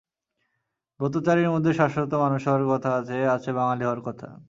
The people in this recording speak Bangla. ব্রতচারীর মধ্যে শাশ্বত মানুষ হওয়ার কথা আছে, আছে বাঙালি হওয়ার কথা।